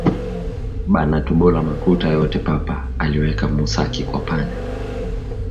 Bana tobola makuta yote papa aliweka mu saki kwa panya